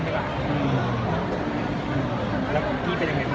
มีโครงการทุกทีใช่ไหม